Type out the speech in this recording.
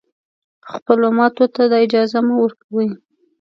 خپلو ماتو ته دا اجازه مه ورکوی